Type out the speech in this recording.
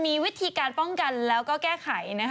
มีวิธีการป้องกันแล้วก็แก้ไข